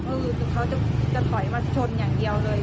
เพราะว่าเขาจะถอยมาชนอย่างเดียวเลย